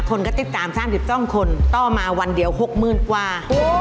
คนกระติกตาม๓๒คนต้อมาวันเดียวหกหมื่นกว่า